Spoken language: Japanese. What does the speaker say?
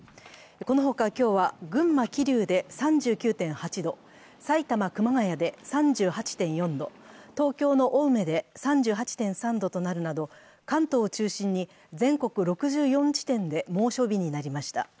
このほか今日は群馬・桐生で３９．８度埼玉・熊谷で３８．４度、東京の青梅で３８．３度となるなど関東を中心に全国６４地点で猛暑日になりました。